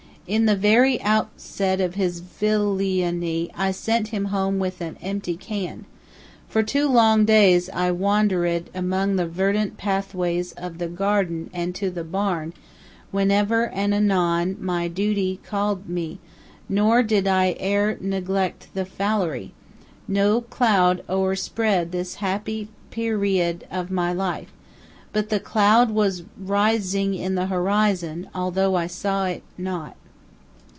In the very out set of his vil li an y I sent him home with a empty can. For two long days I wander ed amid the ver dant pathways of the gar den and to the barn, whenever and anon my du ty call ed me, nor did I ere neg lect the fowlery. No cloud o'er spread this happy pe ri od of my life. But the cloud was ri sing in the horizon although I saw it not.